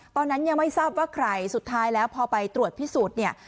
ตอนนั้นยังไม่ทราบว่าใครสุดท้ายแล้วพอไปตรวจพิสูจน์เนี่ย